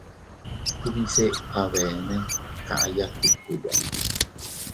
Ubise abeene kaʼaya tikkuya.